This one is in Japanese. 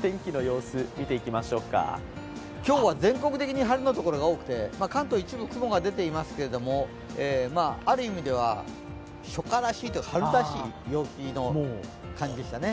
天気の様子、見ていきましょうか今日は全国的に晴れのところが多くて関東、一部で雲が出ていますけれども、ある意味では初夏らしい、春らしい陽気の感じでしたね。